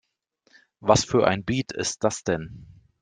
Was für ein Beat ist das denn?